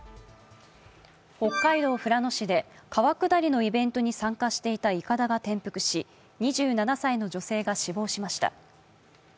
北海道富良野市で川下りのイベントに参加していたいかだが転覆し、２７歳の女性が死亡しました。